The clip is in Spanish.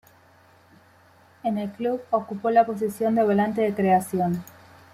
En el club ocupó la posición de volante de creación.